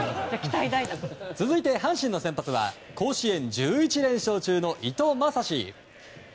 続いて阪神の先発は甲子園１１連勝中の伊藤将司。